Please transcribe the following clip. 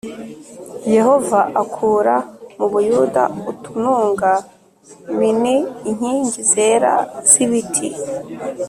Yehova Akura Mu Buyuda Utununga M N Inkingi Zera Z Ibiti